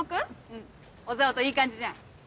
うん小沢といい感じじゃん。